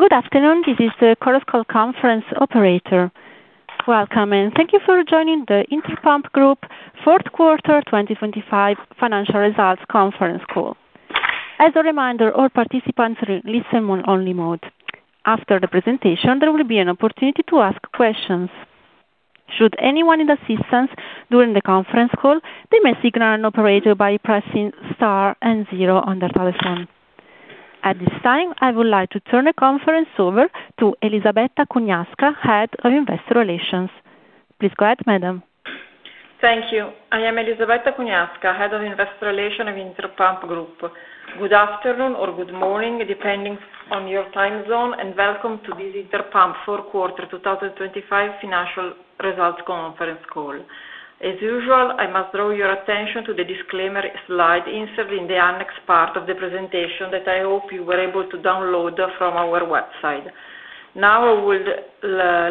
Good afternoon, this is the Chorus Call Conference operator. Welcome, and thank you for joining the Interpump Group Fourth Quarter, 2025 Financial Results Conference Call. As a reminder, all participants are in listen-only mode. After the presentation, there will be an opportunity to ask questions. Should anyone need assistance during the conference call, they may signal an operator by pressing Star and zero on their telephone. At this time, I would like to turn the conference over to Elisabetta Cugnasca, Head of Investor Relations. Please go ahead, madam. Thank you. I am Elisabetta Cugnasca, Head of Investor Relations of Interpump Group. Good afternoon or good morning, depending on your time zone, and welcome to this Interpump fourth quarter, 2025 financial results conference call. As usual, I must draw your attention to the disclaimer slide inserted in the annex part of the presentation that I hope you were able to download from our website. Now, I would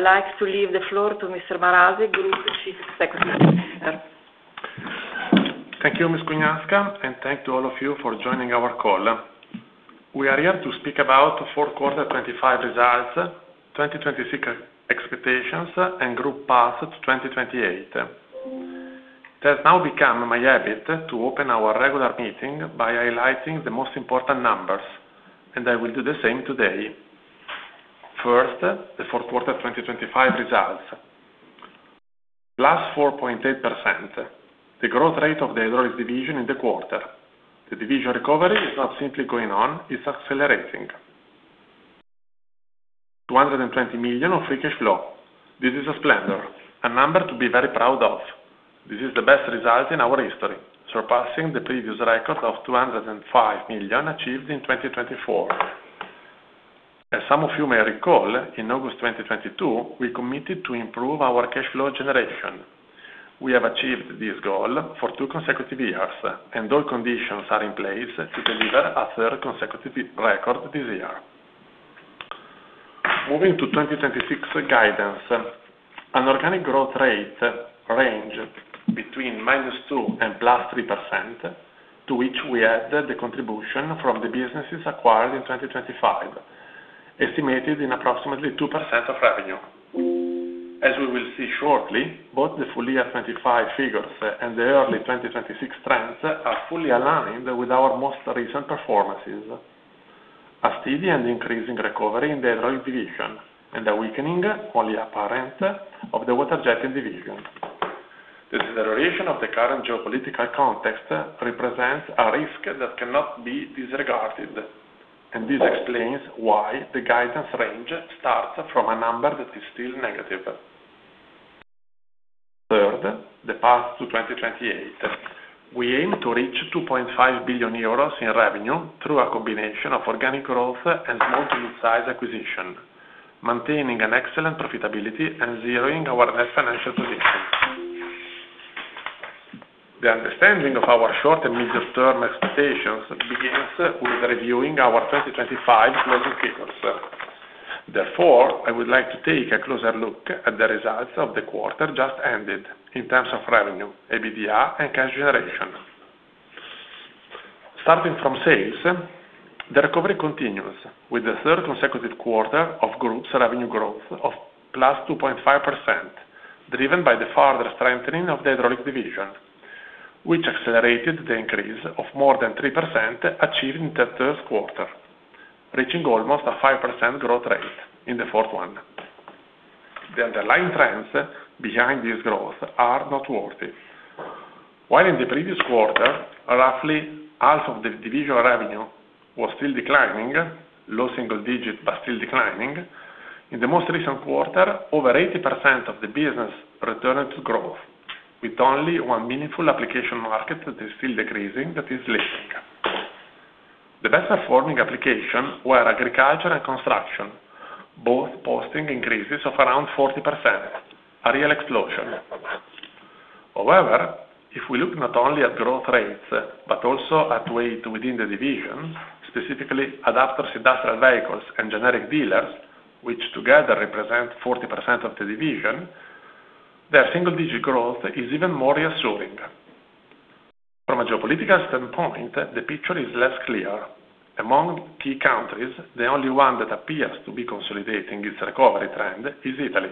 like to leave the floor to Mr. Marasi, Group Chief Executive. Thank you, Ms. Cugnasca, and thanks to all of you for joining our call. We are here to speak about fourth quarter 2025 results, 2026 expectations, and group path to 2028. It has now become my habit to open our regular meeting by highlighting the most important numbers, and I will do the same today. First, the fourth quarter 2025 results. +4.8%, the growth rate of the Hydraulics division in the quarter. The division recovery is not simply going on, it's accelerating. 220 million of free cash flow. This is a splendor, a number to be very proud of. This is the best result in our history, surpassing the previous record of 205 million achieved in 2024. As some of you may recall, in August 2022, we committed to improve our cash flow generation. We have achieved this goal for two consecutive years, and all conditions are in place to deliver a third consecutive re-record this year. Moving to 2026 guidance, an organic growth rate range between -2% and +3%, to which we add the contribution from the businesses acquired in 2025, estimated in approximately 2% of revenue. As we will see shortly, both the full year 2025 figures and the early 2026 trends are fully aligned with our most recent performances. A steady and increasing recovery in the Hydraulics division, and a weakening, only apparent, of the Water-Jetting division. The consideration of the current geopolitical context represents a risk that cannot be disregarded, and this explains why the guidance range starts from a number that is still negative. Third, the path to 2028. We aim to reach 2.5 billion euros in revenue through a combination of organic growth and modest size acquisition, maintaining an excellent profitability and zeroing our net financial position. The understanding of our short- and medium-term expectations begins with reviewing our 2025 closing figures. Therefore, I would like to take a closer look at the results of the quarter just ended in terms of revenue, EBITDA, and cash generation. Starting from sales, the recovery continues, with the third consecutive quarter of group's revenue growth of +2.5%, driven by the further strengthening of the Hydraulics division, which accelerated the increase of more than 3% achieved in the third quarter, reaching almost a 5% growth rate in the fourth one. The underlying trends behind this growth are noteworthy. While in the previous quarter, roughly half of the division revenue was still declining, low single-digit, but still declining, in the most recent quarter, over 80% of the business returned to growth, with only one meaningful application market that is still decreasing, that is, lifting. The best performing application were agriculture and construction, both posting increases of around 40%, a real explosion. However, if we look not only at growth rates, but also at weight within the division, specifically adapter, industrial vehicles and generic dealers, which together represent 40% of the division, their single-digit growth is even more reassuring. From a geopolitical standpoint, the picture is less clear. Among key countries, the only one that appears to be consolidating its recovery trend is Italy.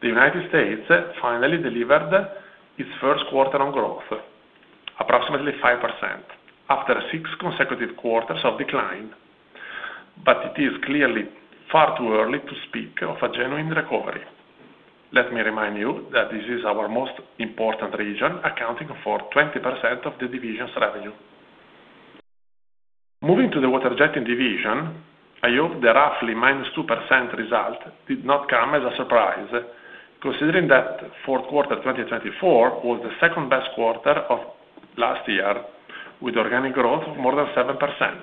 The United States finally delivered its first quarter on growth, approximately 5%, after six consecutive quarters of decline, but it is clearly far too early to speak of a genuine recovery. Let me remind you that this is our most important region, accounting for 20% of the division's revenue. Moving to the Water-Jetting division, I hope the roughly -2% result did not come as a surprise, considering that fourth quarter 2024 was the second best quarter of last year, with organic growth of more than 7%.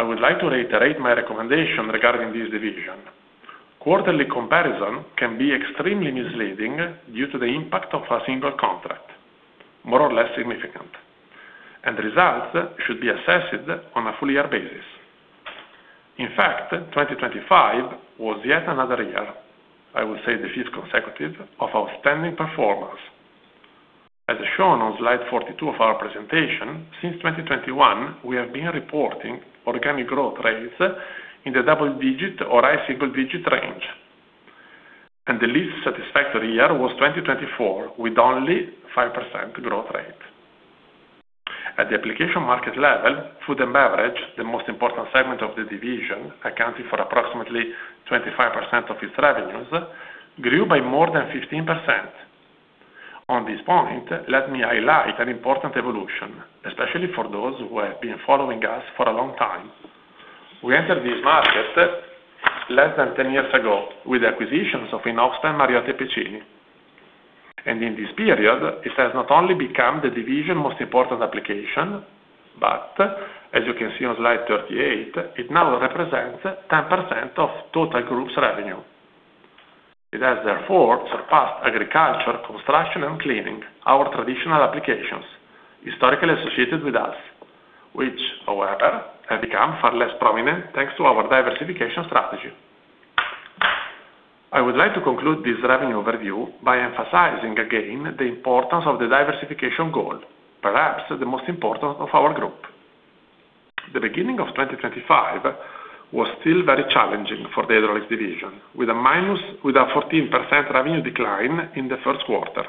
I would like to reiterate my recommendation regarding this division. Quarterly comparison can be extremely misleading due to the impact of a single contract, more or less significant, and the results should be assessed on a full year basis. In fact, 2025 was yet another year, I would say the fifth consecutive, of outstanding performance. As shown on slide 42 of our presentation, since 2021, we have been reporting organic growth rates in the double digit or high single digit range. The least satisfactory year was 2024, with only 5% growth rate. At the application market level, food and beverage, the most important segment of the division, accounted for approximately 25% of its revenues, grew by more than 15%. On this point, let me highlight an important evolution, especially for those who have been following us for a long time. We entered this market less than 10 years ago, with acquisitions of Inoxpa, Mariotti & Pecini, and in this period, it has not only become the division's most important application, but as you can see on slide 38, it now represents 10% of total group's revenue. It has therefore surpassed agriculture, construction, and cleaning, our traditional applications, historically associated with us, which, however, have become far less prominent, thanks to our diversification strategy. I would like to conclude this revenue overview by emphasizing again, the importance of the diversification goal, perhaps the most important of our group. The beginning of 2025 was still very challenging for the Hydraulics division, with a -14% revenue decline in the first quarter.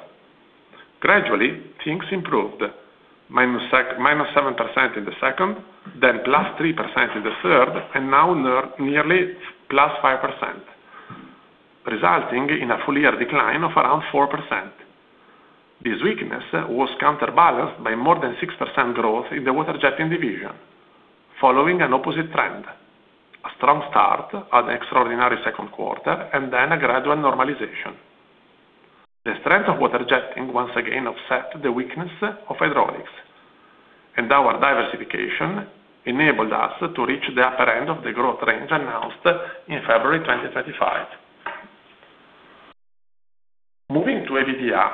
Gradually, things improved, -7% in the second, then +3% in the third, and now nearly +5%, resulting in a full year decline of around 4%. This weakness was counterbalanced by more than 6% growth in the Water-Jetting division, following an opposite trend, a strong start, an extraordinary second quarter, and then a gradual normalization. The strength of Water-Jetting once again offset the weakness of hydraulics, and our diversification enabled us to reach the upper end of the growth range announced in February 2025. Moving to EBITDA,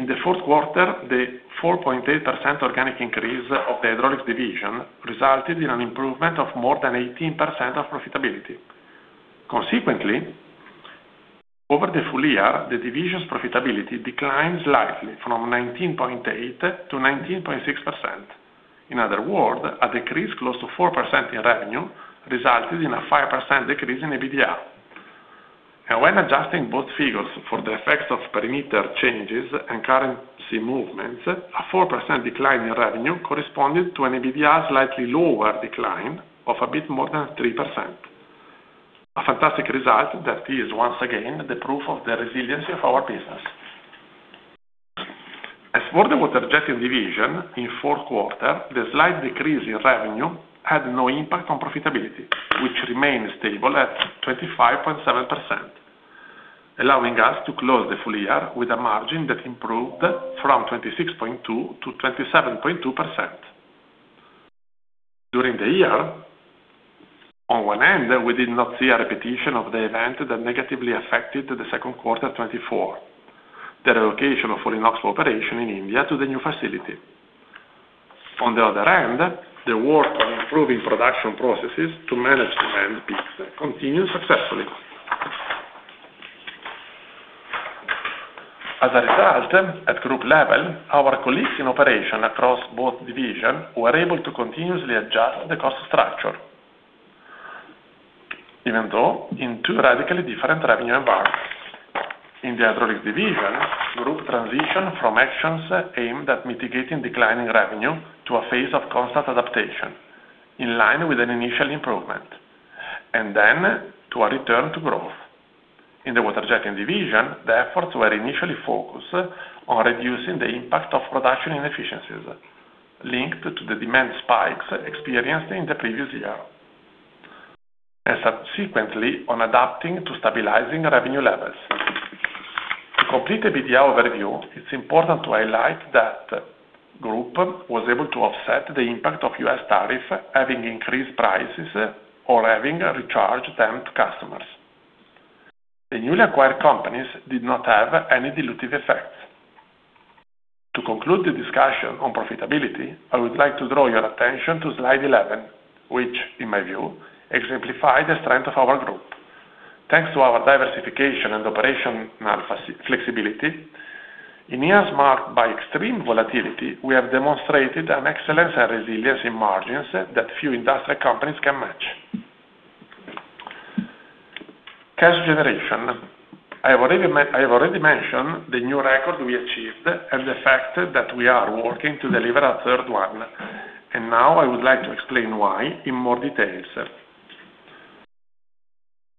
in the fourth quarter, the 4.8% organic increase of the Hydraulics division resulted in an improvement of more than 18% of profitability. Consequently, over the full year, the division's profitability declined slightly from 19.8% to 19.6%. In other words, a decrease close to 4% in revenue resulted in a 5% decrease in EBITDA. And when adjusting both figures for the effects of perimeter changes and currency movements, a 4% decline in revenue corresponded to an EBITDA slightly lower decline of a bit more than 3%. A fantastic result that is once again, the proof of the resiliency of our business. As for the Water-Jetting division, in fourth quarter, the slight decrease in revenue had no impact on profitability, which remained stable at 25.7%, allowing us to close the full year with a margin that improved from 26.2% to 27.2%. During the year, on one end, we did not see a repetition of the event that negatively affected the second quarter of 2024, the relocation of Inoxpa operation in India to the new facility. On the other hand, the work on improving production processes to manage demand peaks continued successfully. As a result, at group level, our colleagues in operation across both division were able to continuously adjust the cost structure, even though in two radically different revenue environments. In the Hydraulics division, Group transition from actions aimed at mitigating declining revenue to a phase of constant adaptation, in line with an initial improvement, and then to a return to growth. In the Water-Jetting division, the efforts were initially focused on reducing the impact of production inefficiencies, linked to the demand spikes experienced in the previous year, and subsequently on adapting to stabilizing revenue levels. To complete the EBITDA overview, it's important to highlight that Group was able to offset the impact of U.S. tariff, having increased prices or having recharged them to customers. The newly acquired companies did not have any dilutive effects. To conclude the discussion on profitability, I would like to draw your attention to slide 11, which, in my view, exemplify the strength of our Group. Thanks to our diversification and operational flexibility, in years marked by extreme volatility, we have demonstrated an excellence and resilience in margins that few industrial companies can match. Cash generation. I have already mentioned the new record we achieved and the fact that we are working to deliver a third one, and now I would like to explain why in more details.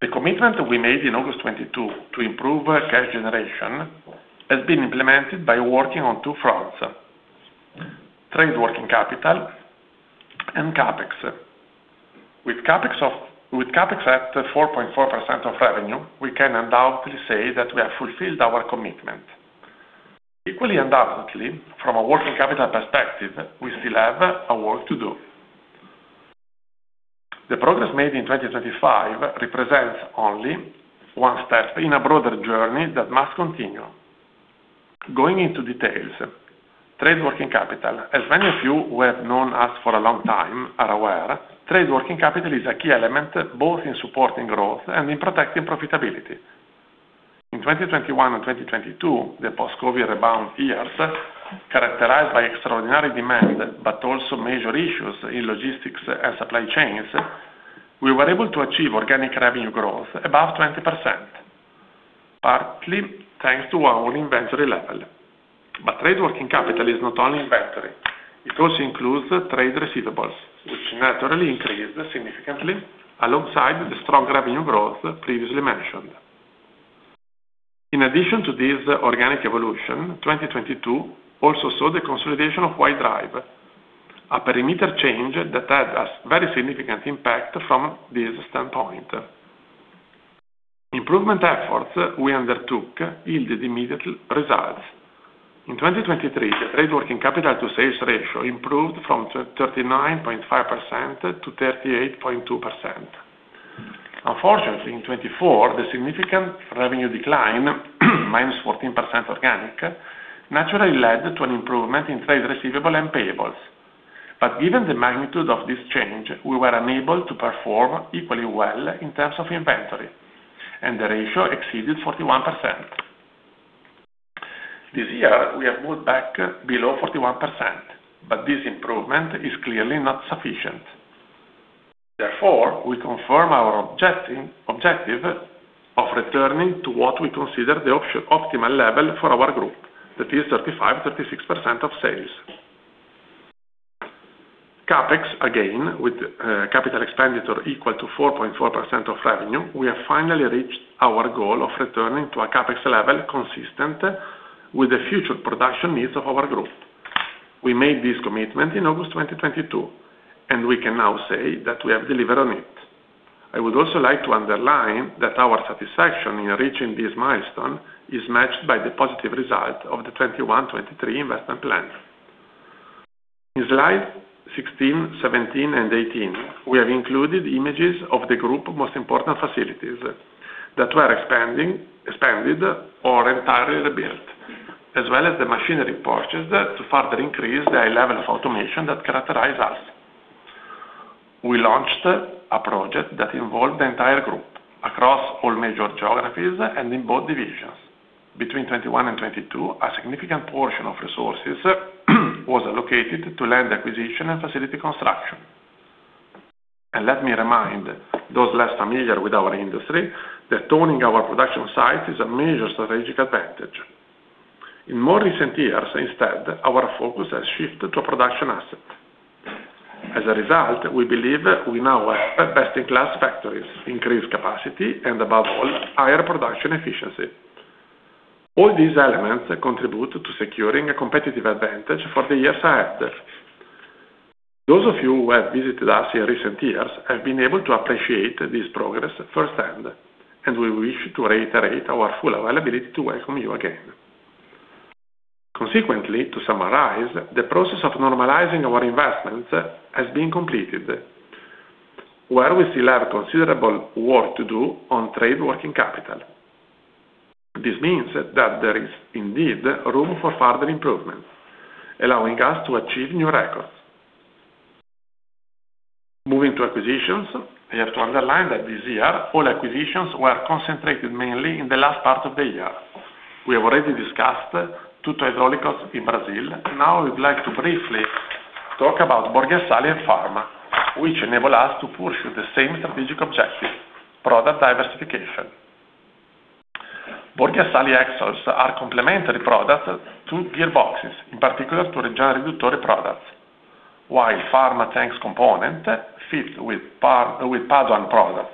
The commitment we made in August 2022 to improve cash generation has been implemented by working on two fronts: trade working capital and CapEx. With CapEx at 4.4% of revenue, we can undoubtedly say that we have fulfilled our commitment. Equally undoubtedly, from a working capital perspective, we still have a work to do. The progress made in 2025 represents only one step in a broader journey that must continue. Going into details, trade working capital. As many of you who have known us for a long time are aware, trade working capital is a key element, both in supporting growth and in protecting profitability. In 2021 and 2022, the post-COVID rebound years, characterized by extraordinary demand, but also major issues in logistics and supply chains, we were able to achieve organic revenue growth above 20%, partly thanks to our inventory level. But trade working capital is not only inventory, it also includes trade receivables, which naturally increased significantly alongside the strong revenue growth previously mentioned. In addition to this organic evolution, 2022 also saw the consolidation of White Drive, a perimeter change that had a very significant impact from this standpoint. Improvement efforts we undertook yielded immediate results. In 2023, the trade working capital to sales ratio improved from 39.5% to 38.2%. Unfortunately, in 2024, the significant revenue decline, -14% organic, naturally led to an improvement in trade receivable and payables. But given the magnitude of this change, we were unable to perform equally well in terms of inventory, and the ratio exceeded 41%. This year, we have moved back below 41%, but this improvement is clearly not sufficient. Therefore, we confirm our objective of returning to what we consider the optimal level for our group, that is 35%-36% of sales. CapEx, again, with capital expenditure equal to 4.4% of revenue, we have finally reached our goal of returning to a CapEx level consistent with the future production needs of our group. We made this commitment in August 2022, and we can now say that we have delivered on it. I would also like to underline that our satisfaction in reaching this milestone is matched by the positive result of the 2021-2023 investment plan. In slides 16, 17, and 18, we have included images of the group of most important facilities that were expanding, expanded or entirely rebuilt, as well as the machinery purchased that to further increase the high level of automation that characterize us. We launched a project that involved the entire group across all major geographies and in both divisions. Between 2021 and 2022, a significant portion of resources was allocated to land acquisition and facility construction. And let me remind those less familiar with our industry, that owning our production site is a major strategic advantage. In more recent years, instead, our focus has shifted to production assets. As a result, we believe we now have best-in-class factories, increased capacity, and above all, higher production efficiency. All these elements contribute to securing a competitive advantage for the years ahead. Those of you who have visited us in recent years have been able to appreciate this progress firsthand, and we wish to reiterate our full availability to welcome you again. Consequently, to summarize, the process of normalizing our investments has been completed, where we still have considerable work to do on trade working capital. This means that there is indeed room for further improvement, allowing us to achieve new records. Moving to acquisitions, I have to underline that this year, all acquisitions were concentrated mainly in the last part of the year. We have already discussed two Hydraulics in Brazil. Now, I would like to briefly talk about Borghi Assali and Pharma, which enable us to pursue the same strategic objective, product diversification. Borghi Assali are complementary products to gearboxes, in particular to Reggiana products, while Pharma tanks component fits with our, with Padoan products.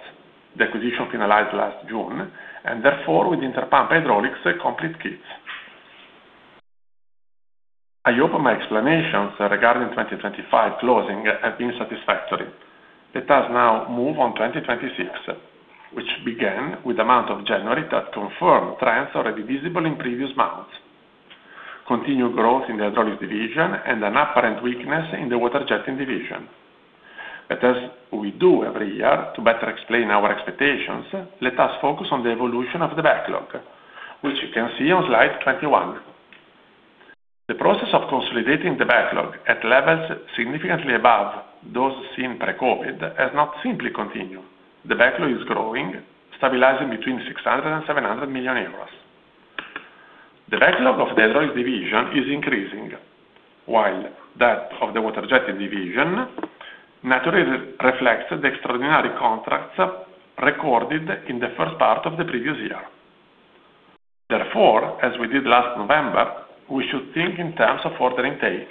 The acquisition finalized last June, and therefore with Interpump Hydraulics, complete kits. I hope my explanations regarding 2025 closing have been satisfactory. Let us now move on 2026, which began with the month of January that confirmed trends already visible in previous months. Continued growth in the Hydraulics division and an apparent weakness in the Water-Jetting division. But as we do every year, to better explain our expectations, let us focus on the evolution of the backlog, which you can see on slide 21. The process of consolidating the backlog at levels significantly above those seen pre-COVID, has not simply continued. The backlog is growing, stabilizing between 600 million euros and 700 million euros. The backlog of the Hydraulics division is increasing, while that of the Water-Jetting division naturally reflects the extraordinary contracts recorded in the first part of the previous year. Therefore, as we did last November, we should think in terms of order intake.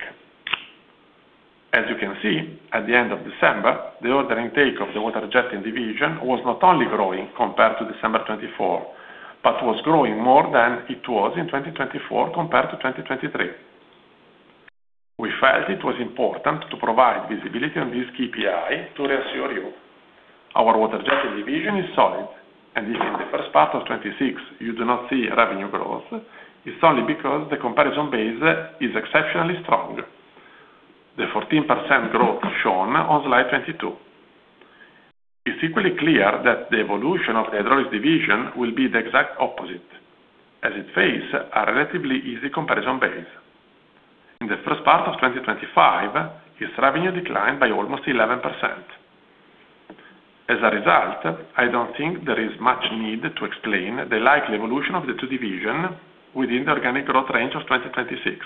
As you can see, at the end of December, the order intake of the Water-Jetting division was not only growing compared to December 2024, but was growing more than it was in 2024 compared to 2023. We felt it was important to provide visibility on this KPI to reassure you. Our Water-Jetting division is solid, and if in the first part of 2026, you do not see revenue growth, it's only because the comparison base is exceptionally strong. The 14% growth shown on slide 22. It's equally clear that the evolution of the Hydraulics division will be the exact opposite. It faces a relatively easy comparison base. In the first part of 2025, its revenue declined by almost 11%. As a result, I don't think there is much need to explain the likely evolution of the two divisions within the organic growth range of 2026,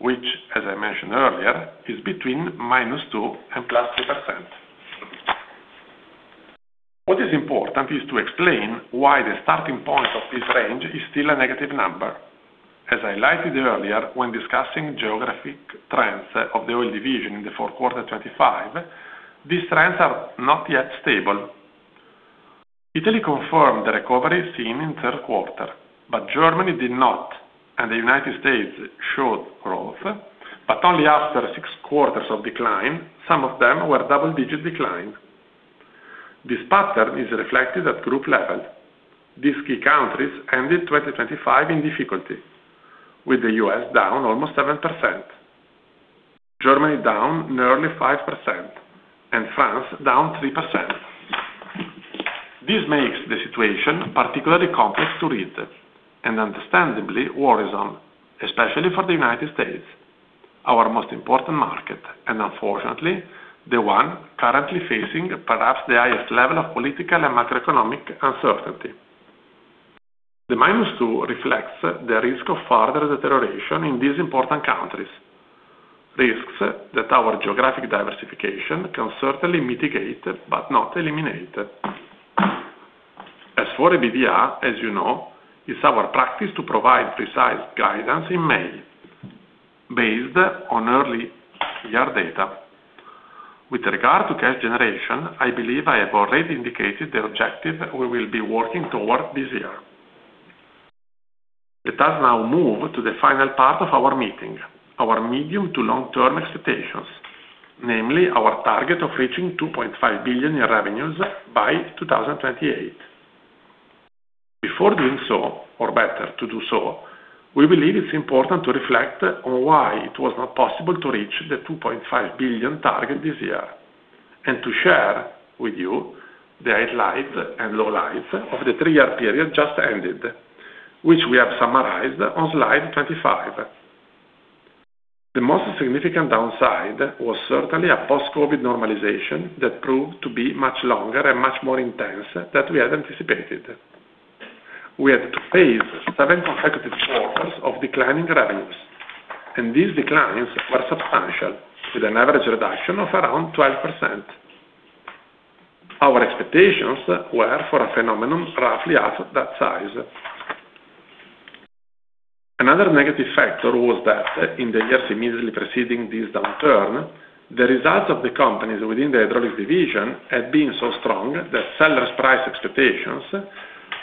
which, as I mentioned earlier, is between -2% and +3%. What is important is to explain why the starting point of this range is still a negative number. As I highlighted earlier, when discussing geographic trends of the Hydraulics division in the fourth quarter 2025, these trends are not yet stable. Italy confirmed the recovery seen in third quarter, but Germany did not, and the United States showed growth, but only after six quarters of decline, some of them were double-digit decline. This pattern is reflected at group level. These key countries ended 2025 in difficulty, with the U.S. down almost 7%, Germany down nearly 5%, and France down 3%. This makes the situation particularly complex to read, and understandably, worrisome, especially for the United States, our most important market, and unfortunately, the one currently facing perhaps the highest level of political and macroeconomic uncertainty. The -2% reflects the risk of further deterioration in these important countries. Risks that our geographic diversification can certainly mitigate, but not eliminate. As for EBITDA, as you know, it's our practice to provide precise guidance in May, based on early year data. With regard to cash generation, I believe I have already indicated the objective we will be working toward this year. Let us now move to the final part of our meeting, our medium- to long-term expectations, namely our target of reaching 2.5 billion in revenues by 2028. Before doing so, or better, to do so, we believe it's important to reflect on why it was not possible to reach the 2.5 billion target this year, and to share with you the highlights and lowlights of the three-year period just ended, which we have summarized on slide 25. The most significant downside was certainly a post-COVID normalization that proved to be much longer and much more intense than we had anticipated. We had to face seventh consecutive quarters of declining revenues, and these declines were substantial, with an average reduction of around 12%. Our expectations were for a phenomenon roughly half of that size. Another negative factor was that in the years immediately preceding this downturn, the results of the companies within the Hydraulics Division had been so strong that sellers' price expectations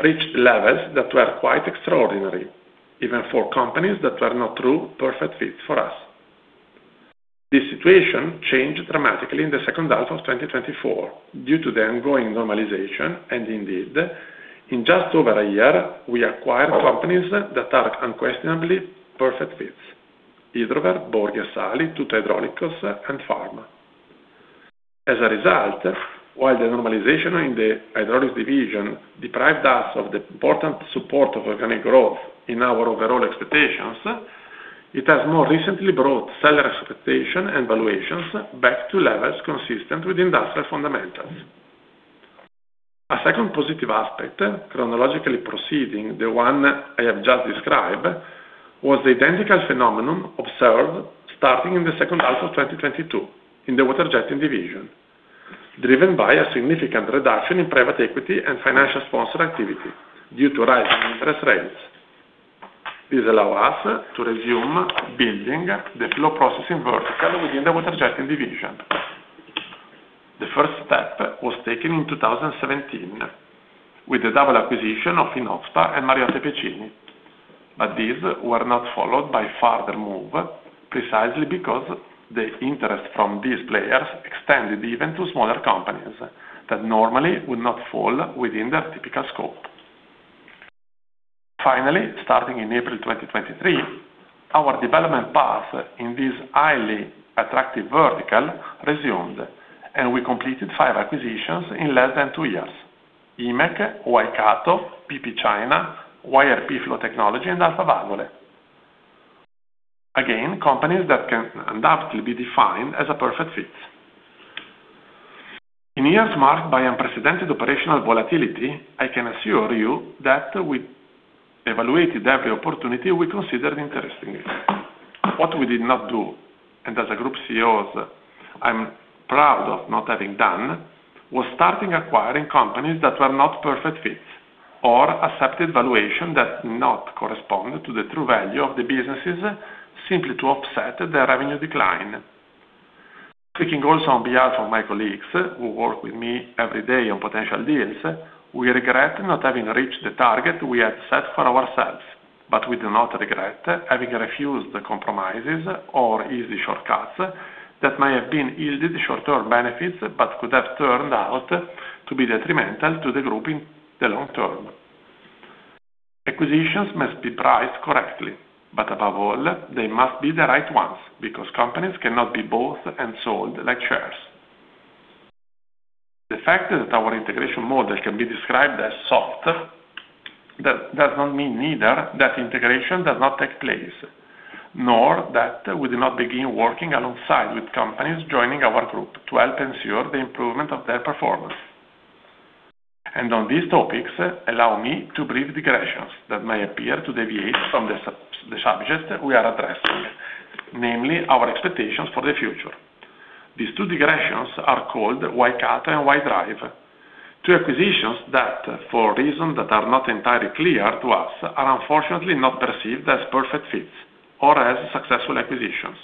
reached levels that were quite extraordinary, even for companies that were not true, perfect fit for us. This situation changed dramatically in the second half of 2024, due to the ongoing normalization, and indeed, in just over a year, we acquired companies that are unquestionably perfect fits: Hydrover, Borghi Assali, Tuttoidraulica, and Pharma. As a result, while the normalization in the Hydraulics Division deprived us of the important support of organic growth in our overall expectations, it has more recently brought seller expectation and valuations back to levels consistent with industrial fundamentals. A second positive aspect, chronologically proceeding, the one I have just described, was the identical phenomenon observed starting in the second half of 2022 in the Water-Jetting division, driven by a significant reduction in private equity and financial sponsor activity due to rising interest rates. This allow us to resume building the flow processing vertical within the Water-Jetting division. The first step was taken in 2017, with the double acquisition of Inoxpa and Mariotti & Pecini, but these were not followed by further move, precisely because the interest from these players extended even to smaller companies that normally would not fall within their typical scope. Finally, starting in April 2023, our development path in this highly attractive vertical resumed, and we completed five acquisitions in less than two years: I.Mec, Waikato, PP China, YRP Flow Technology, and Alfa Laval. Again, companies that can undoubtedly be defined as a perfect fit. In years marked by unprecedented operational volatility, I can assure you that we evaluated every opportunity we considered interesting. What we did not do, and as a Group CEO, I'm proud of not having done, was starting acquiring companies that were not perfect fits or accepted valuation that not correspond to the true value of the businesses, simply to offset the revenue decline. Speaking also on behalf of my colleagues who work with me every day on potential deals, we regret not having reached the target we had set for ourselves, but we do not regret having refused the compromises or easy shortcuts that may have been yielded short-term benefits, but could have turned out to be detrimental to the group in the long term. Acquisitions must be priced correctly, but above all, they must be the right ones, because companies cannot be bought and sold like shares. The fact that our integration model can be described as soft, that does not mean neither that integration does not take place, nor that we do not begin working alongside with companies joining our group to help ensure the improvement of their performance. And on these topics, allow me two brief digressions that may appear to deviate from the subject we are addressing, namely, our expectations for the future. These two digressions are called Waikato and White Drive. Two acquisitions that, for reasons that are not entirely clear to us, are unfortunately not perceived as perfect fits or as successful acquisitions.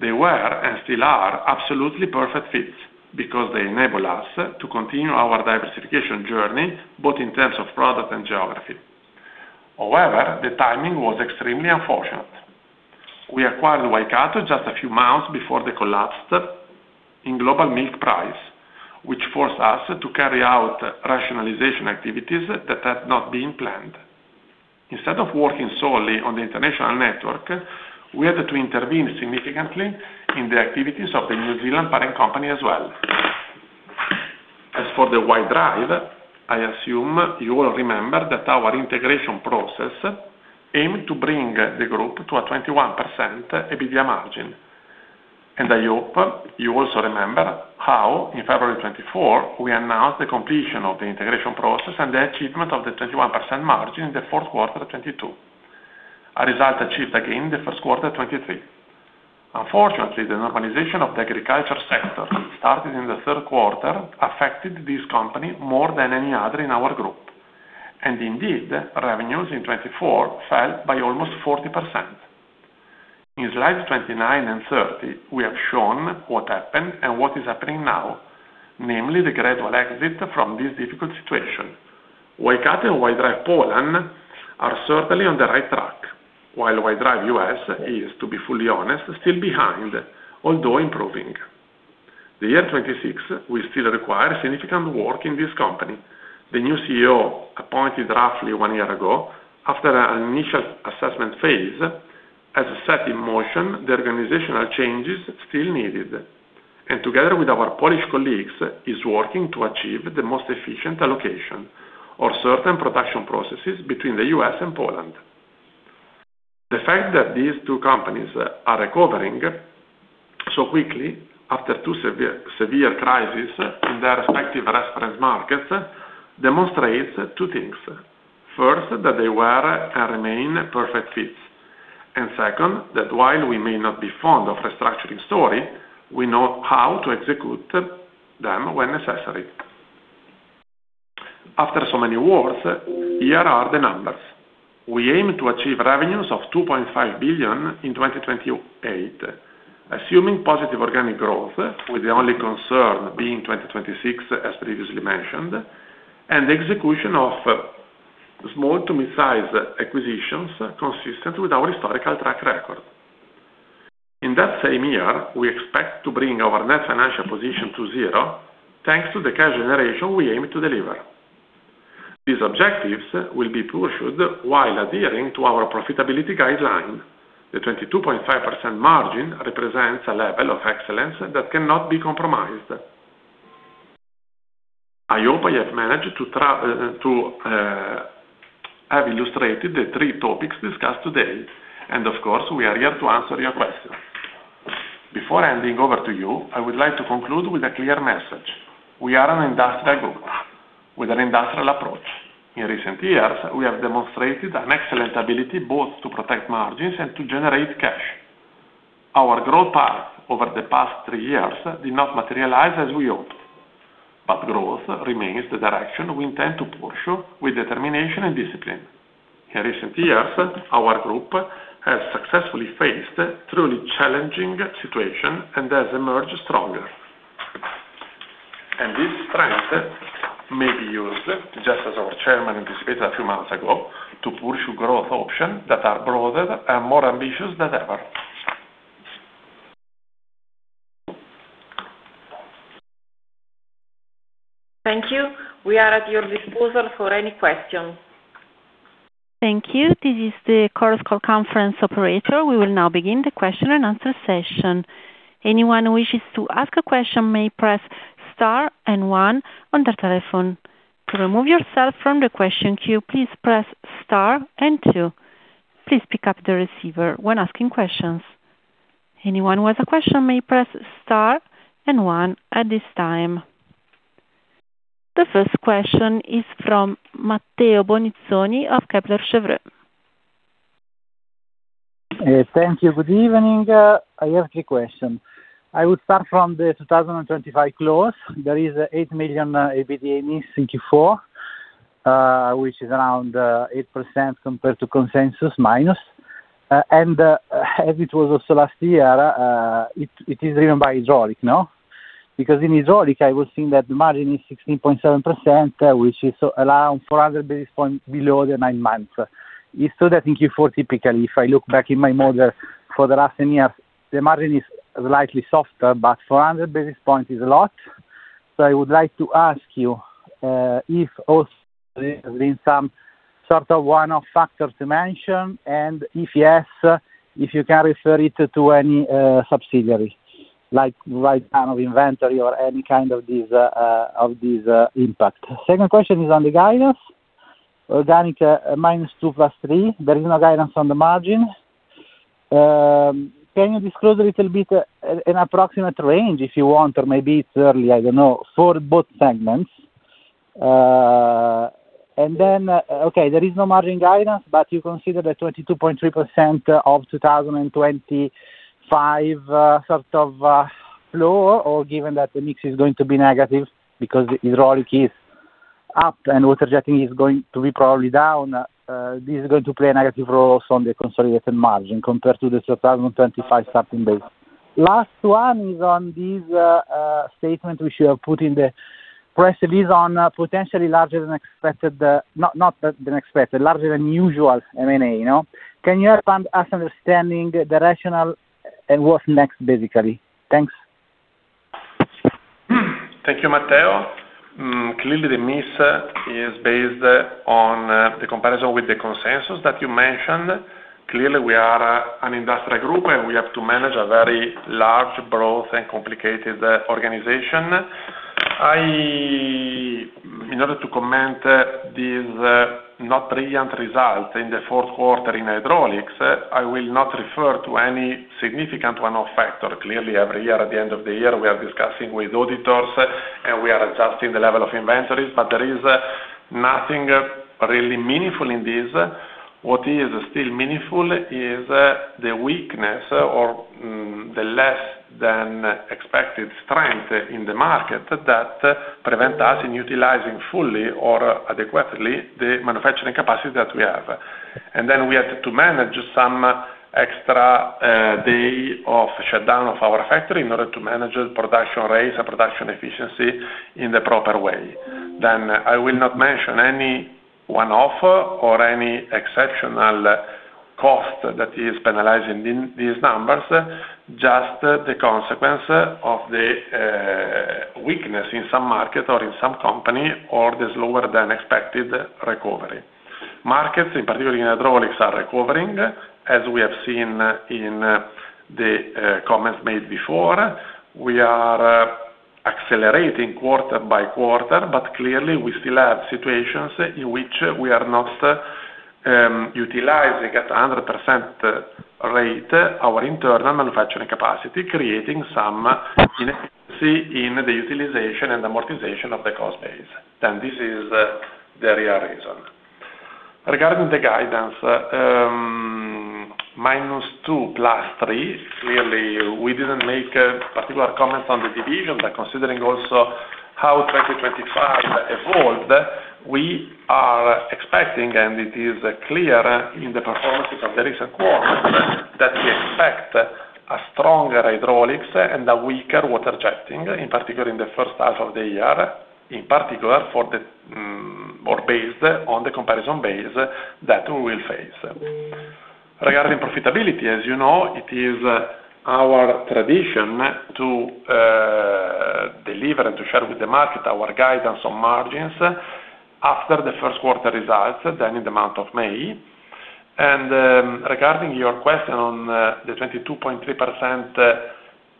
They were, and still are, absolutely perfect fits because they enable us to continue our diversification journey, both in terms of product and geography. However, the timing was extremely unfortunate. We acquired Waikato just a few months before the collapse in global milk price, which forced us to carry out rationalization activities that had not been planned. Instead of working solely on the international network, we had to intervene significantly in the activities of the New Zealand parent company as well. As for the White Drive, I assume you all remember that our integration process aimed to bring the group to a 21% EBITDA margin, and I hope you also remember how, in February 2024, we announced the completion of the integration process and the achievement of the 21% margin in the fourth quarter of 2022. A result achieved again in the first quarter of 2023. Unfortunately, the normalization of the agriculture sector, started in the third quarter, affected this company more than any other in our group. And indeed, revenues in 2024 fell by almost 40%. In slides 29 and 30, we have shown what happened and what is happening now, namely the gradual exit from this difficult situation. Waikato and White Drive Poland are certainly on the right track, while White Drive U.S. is, to be fully honest, still behind, although improving. The year 2026 will still require significant work in this company. The new CEO, appointed roughly one year ago, after an initial assessment phase, has set in motion the organizational changes still needed, and together with our Polish colleagues, is working to achieve the most efficient allocation of certain production processes between the U.S. and Poland. The fact that these two companies are recovering so quickly after two severe crises in their respective reference markets, demonstrates two things. First, that they were and remain perfect fits, and second, that while we may not be fond of restructuring story, we know how to execute them when necessary. After so many words, here are the numbers. We aim to achieve revenues of 2.5 billion in 2028, assuming positive organic growth, with the only concern being 2026, as previously mentioned, and the execution of small to midsize acquisitions consistent with our historical track record. In that same year, we expect to bring our net financial position to zero, thanks to the cash generation we aim to deliver. These objectives will be pursued while adhering to our profitability guideline. The 22.5% margin represents a level of excellence that cannot be compromised. I hope I have managed to have illustrated the three topics discussed today, and of course, we are here to answer your questions. Before handing over to you, I would like to conclude with a clear message: We are an industrial group with an industrial approach. In recent years, we have demonstrated an excellent ability both to protect margins and to generate cash. Our growth path over the past three years did not materialize as we hoped, but growth remains the direction we intend to pursue with determination and discipline. In recent years, our group has successfully faced truly challenging situation and has emerged stronger. This strength may be used, just as our chairman anticipated a few months ago, to pursue growth options that are broader and more ambitious than ever. Thank you. We are at your disposal for any questions. Thank you. This is the Chorus Call conference operator. We will now begin the question and answer session. Anyone who wishes to ask a question may press Star and One on their telephone. To remove yourself from the question queue, please press Star and Two. Please pick up the receiver when asking questions. Anyone who has a question may press Star and One at this time. The first question is from Matteo Bonizzoni of Kepler Cheuvreux. Thank you. Good evening, I have three questions. I would start from the 2025 close. There is 8 million EBITDA in Q4, which is around 8% compared to consensus, minus. And, as it was also last year, it is driven by hydraulic, no? Because in hydraulic, I was seeing that the margin is 16.7%, which is around 400 basis points below the nine months. It stood, I think, in Q4, typically, if I look back in my model for the last 10 years, the margin is slightly softer, but 400 basis points is a lot. So I would like to ask you, if also there has been some. Sort of one of factors to mention, and if yes, if you can refer it to any subsidiary, like right kind of inventory or any kind of these, of these impact? Second question is on the guidance, organic -2% to +3%. There is no guidance on the margin. Can you disclose a little bit, an approximate range, if you want, or maybe it's early, I don't know, for both segments? And then, okay, there is no margin guidance, but you consider the 22.3% of 2025 sort of lower, or given that the mix is going to be negative because hydraulics is up and Water-Jetting is going to be probably down, this is going to play a negative role from the consolidated margin compared to the 2025 starting base. Last one is on this statement which you have put in the press release on potentially larger than expected, not than expected, larger than usual M&A, you know. Can you help us understanding the rationale and what's next, basically? Thanks. Thank you, Matteo. Clearly, the miss is based on the comparison with the consensus that you mentioned. Clearly, we are an industrial group, and we have to manage a very large, broad, and complicated organization. In order to comment these not brilliant results in the fourth quarter in hydraulics, I will not refer to any significant one-off factor. Clearly, every year, at the end of the year, we are discussing with auditors, and we are adjusting the level of inventories, but there is nothing really meaningful in this. What is still meaningful is the weakness or the less than expected strength in the market that prevent us in utilizing fully or adequately the manufacturing capacity that we have. Then we had to manage some extra day of shutdown of our factory in order to manage the production rates and production efficiency in the proper way. Then I will not mention any one-off or any exceptional cost that is penalizing in these numbers, just the consequence of the weakness in some market or in some company, or this lower than expected recovery. Markets, in particular in hydraulics, are recovering, as we have seen in the comments made before. We are accelerating quarter by quarter, but clearly, we still have situations in which we are not utilizing at a 100% rate our internal manufacturing capacity, creating some inefficiency in the utilization and amortization of the cost base. Then this is the real reason. Regarding the guidance, -2% to +3%, clearly, we didn't make particular comments on the division, but considering also how 2025 evolved, we are expecting, and it is clear in the performance of the recent quarter, that we expect a stronger hydraulics and a weaker Water-Jetting, in particular in the first half of the year, in particular for the, or based on the comparison base that we will face. Regarding profitability, as you know, it is our tradition to deliver and to share with the market our guidance on margins after the first quarter results, then in the month of May. Regarding your question on the 22.3%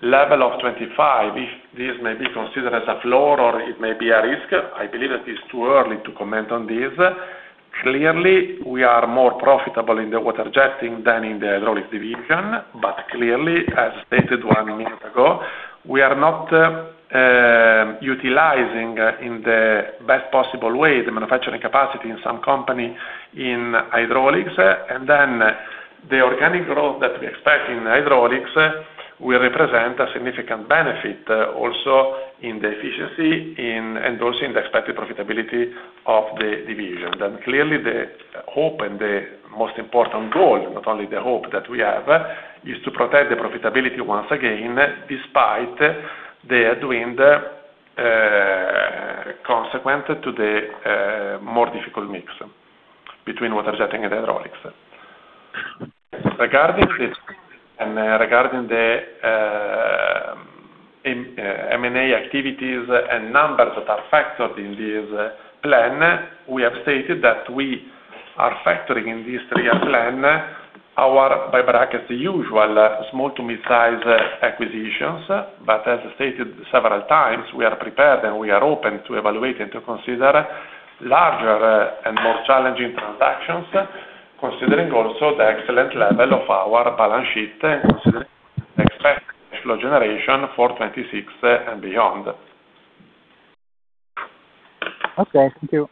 level of 2025, if this may be considered as a floor or it may be a risk, I believe it is too early to comment on this. Clearly, we are more profitable in the Water-Jetting than in the hydraulics division, but clearly, as stated one minute ago, we are not utilizing in the best possible way the manufacturing capacity in some company in hydraulics. And then the organic growth that we expect in hydraulics will represent a significant benefit also in the efficiency and also in the expected profitability of the division. Then, clearly, the hope and the most important goal, not only the hope that we have, is to protect the profitability once again, despite the headwind consequent to the more difficult mix between Water-Jetting and hydraulics. Regarding this, regarding the M&A activities and numbers that are factored in this plan, we have stated that we are factoring in this three-year plan, our bolt-on, the usual small to mid-size acquisitions. But as stated several times, we are prepared, and we are open to evaluate and to consider larger and more challenging transactions, considering also the excellent level of our balance sheet and considering expected cash flow generation for 2026 and beyond. Okay, thank you.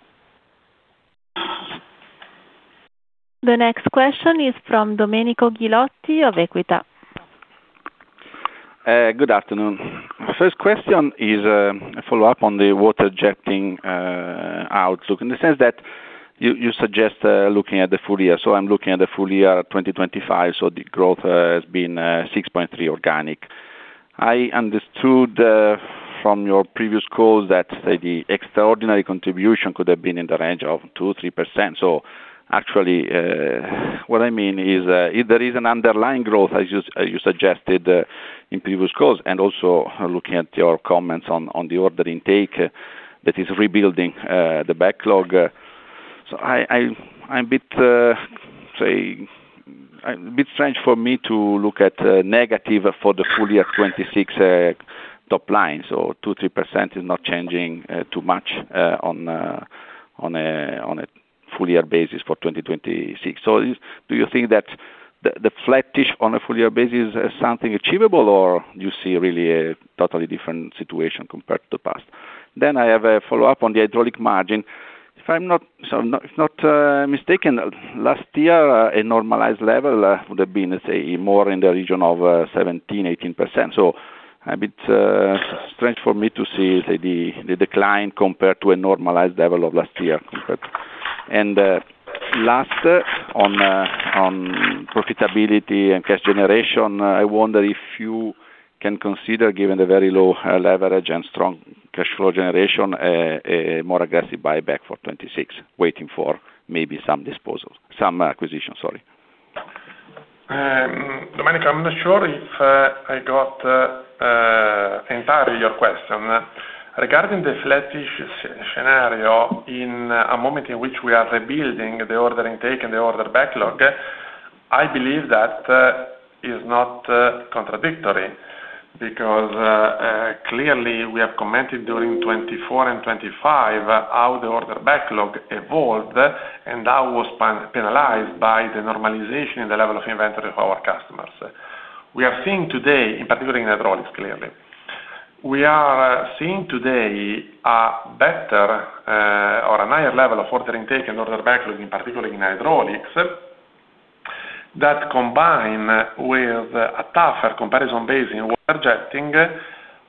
The next question is from Domenico Ghilotti of Equita. Good afternoon. First question is a follow-up on the Water-Jetting outlook, in the sense that you suggest looking at the full year. So I'm looking at the full year 2025, so the growth has been 6.3% organic. I understood from your previous calls that the extraordinary contribution could have been in the range of 2%-3%. So actually, what I mean is, if there is an underlying growth, as you suggested in previous calls, and also looking at your comments on the order intake that is rebuilding the backlog. So I'm a bit, say, a bit strange for me to look at negative for the full year 2026 top lines, or 2%-3% is not changing too much on a full year basis for 2026. So do you think that the flattish on a full year basis is something achievable, or you see really a totally different situation compared to the past? Then I have a follow-up on the hydraulic margin. If I'm not mistaken, last year a normalized level would have been, let's say, more in the region of 17%-18%. So a bit strange for me to see the decline compared to a normalized level of last year. Last, on profitability and cash generation, I wonder if you can consider, given the very low leverage and strong cash flow generation, a more aggressive buyback for 2026, waiting for maybe some disposals, some acquisitions, sorry. Domenico, I'm not sure if I got entirely your question. Regarding the flattish scenario, in a moment in which we are rebuilding the order intake and the order backlog, I believe that is not contradictory, because clearly, we have commented during 2024 and 2025 how the order backlog evolved, and that was penalized by the normalization in the level of inventory of our customers. We are seeing today, in particular in hydraulics, clearly, we are seeing today a better or a higher level of order intake and order backlog, in particular in hydraulics, that combine with a tougher comparison base in Water-Jetting,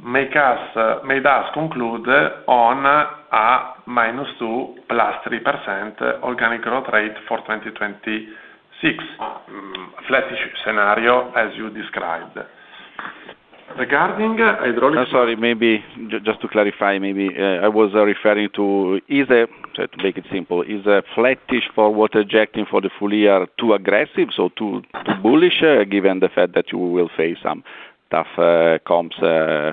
made us conclude on a -2% to +3% organic growth rate for 2026. Flattish scenario, as you described. Regarding hydraulics-- I'm sorry, maybe just to clarify, maybe I was referring to is a, to make it simple, is a flattish for Water-Jetting for the full year too aggressive or too bullish, given the fact that you will face some tough comps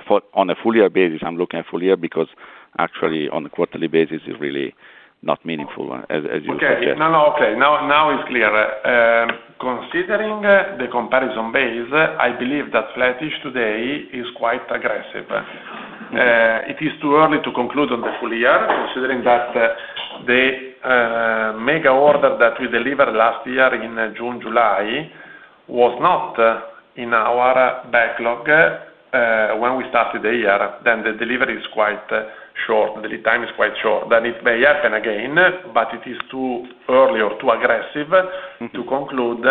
for on a full year basis? I'm looking at full year because actually on a quarterly basis, it's really not meaningful, as you would suggest. Okay. No, no, okay, now, now it's clear. Considering the comparison base, I believe that flattish today is quite aggressive. It is too early to conclude on the full year, considering that the mega order that we delivered last year in June, July was not in our backlog when we started the year, then the delivery is quite short, the lead time is quite short. Then it may happen again, but it is too early or too aggressive to conclude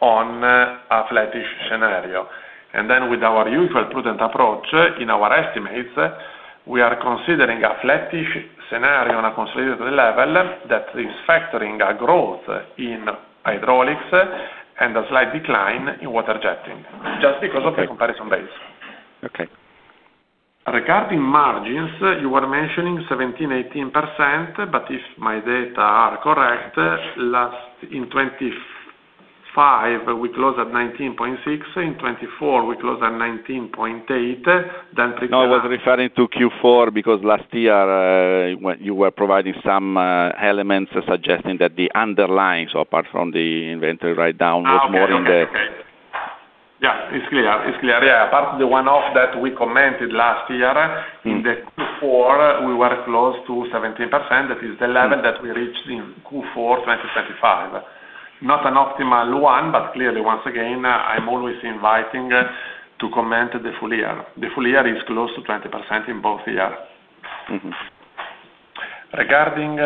on a flattish scenario. And then with our usual prudent approach in our estimates, we are considering a flattish scenario on a consolidated level that is factoring a growth in hydraulics and a slight decline in Water-Jetting, just because of the comparison base. Okay. Regarding margins, you were mentioning 17%-18%, but if my data are correct, last, in 2025, we closed at 19.6%, in 2024, we closed at 19.8%, then-- No, I was referring to Q4, because last year, when you were providing some elements suggesting that the underlying, so apart from the inventory write-down, was more in the-- Yeah, it's clear. It's clear, yeah. Apart from the one-off that we commented last year, in the Q4, we were close to 17%. That is the level that we reached in Q4, 2025. Not an optimal one, but clearly, once again, I'm always inviting to comment the full year. The full year is close to 20% in both years. Regarding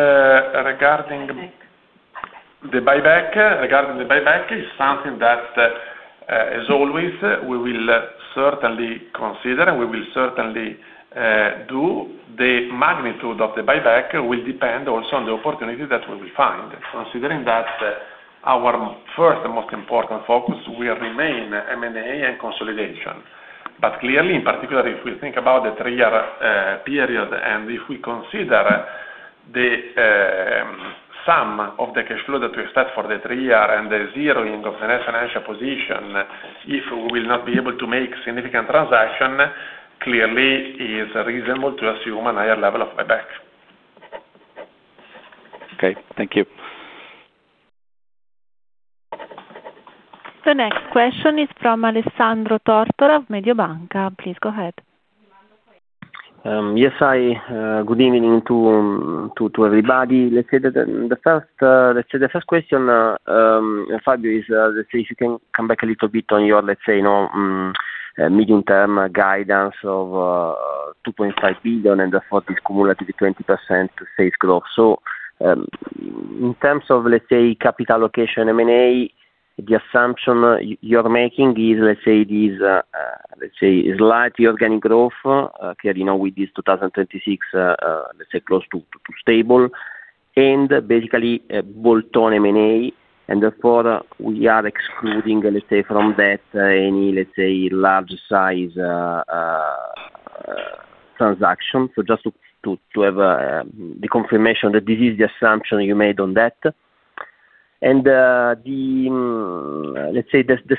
the buyback is something that, as always, we will certainly consider, and we will certainly do. The magnitude of the buyback will depend also on the opportunity that we will find, considering that our first and most important focus will remain M&A and consolidation. But clearly, in particular, if we think about the three-year period, and if we consider the sum of the cash flow that we set for the three-year and the zeroing of the net financial position, if we will not be able to make significant transaction, clearly is reasonable to assume a higher level of buyback. Okay, thank you. The next question is from Alessandro Tortora of Mediobanca. Please go ahead. Yes, good evening to everybody. Let's say that the first question, Fabio, is, let's say, if you can come back a little bit on your, let's say, you know, medium-term guidance of 2.5 billion, and therefore this cumulative 20% sales growth. So, in terms of, let's say, capital allocation, M&A, the assumption you're making is, let's say, this slightly organic growth, clearly, now with this 2026, let's say, close to stable, and basically a bolt-on M&A, and therefore we are excluding, let's say, from that, any, let's say, large size transaction. So just to have the confirmation that this is the assumption you made on that. The